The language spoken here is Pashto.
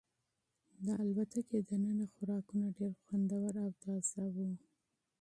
د الوتکې دننه خوراکونه ډېر خوندور او تازه وو.